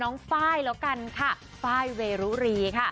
น้องฝ้ายแล้วกันค่ะฝ้ายเวรุรีค่ะ